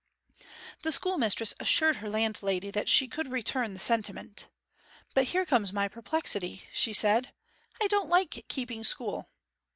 The schoolmistress assured her landlady that she could return the sentiment. 'But here comes my perplexity,' she said. 'I don't like keeping school.